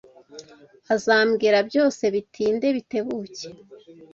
Azambwira byose bitinde bitebuke.